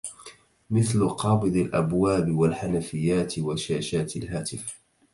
مثل مقابض الأبواب والحنفيات وشاشات الهاتف